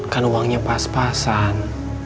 harus b murah supervised